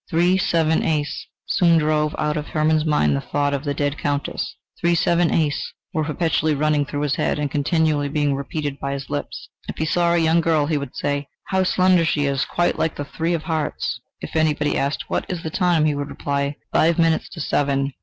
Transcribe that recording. "Three, seven, ace," soon drove out of Hermann's mind the thought of the dead Countess. "Three, seven, ace," were perpetually running through his head and continually being repeated by his lips. If he saw a young girl, he would say: "How slender she is! quite like the three of hearts." If anybody asked: "What is the time?" he would reply: "Five minutes to seven."